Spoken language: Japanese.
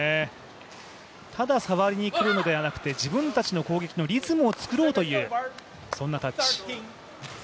ただ、触りに来るのではなくて自分たちの攻撃のリズムを作ろうという、そんなタッチ。